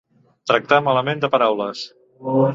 Tractar malament de paraules.